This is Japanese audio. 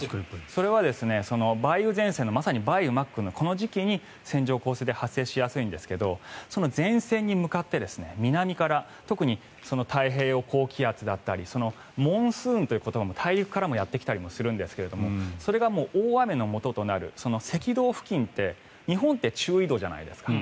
それは梅雨前線のまさに梅雨末期のこの時期に線状降水帯が発生しやすいんですがその前線に向かって南から特に太平洋高気圧だったりモンスーンという言葉が大陸からもやってきたりもするんですけどそれが大雨のもととなる赤道付近って日本って中緯度じゃないですか。